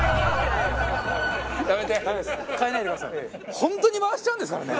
本当に回しちゃうんですからね。